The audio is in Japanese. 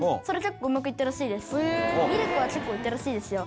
ミルクは結構いったらしいですよ。